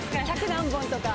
１００何本とか。